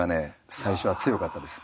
最初は強かったです。